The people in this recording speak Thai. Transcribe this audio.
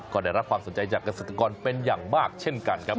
ก็ได้รับความสนใจจากเกษตรกรเป็นอย่างมากเช่นกันครับ